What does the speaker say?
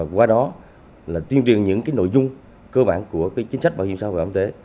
qua đó là tuyên truyền những cái nội dung cơ bản của cái chính sách bảo hiểm xã hội và bảo hiểm y tế